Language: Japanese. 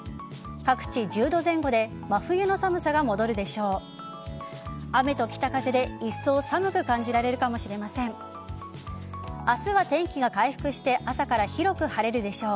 各地１０度前後で真冬の寒さが戻るでしょう。